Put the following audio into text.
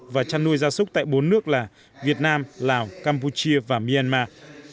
và chăn nuôi gia súc tại bốn nước là việt nam lào campuchia và myanmar